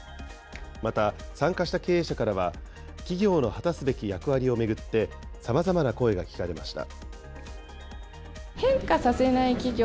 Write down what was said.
また、参加した経営者からは、企業の果たすべき役割を巡って、さまざまな声が聞かれました。